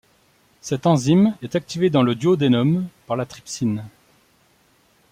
Cette enzyme est activée dans le duodénum par la trypsine.